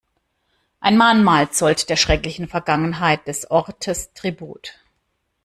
Ein Mahnmal zollt der schrecklichen Vergangenheit des Ortes Tribut.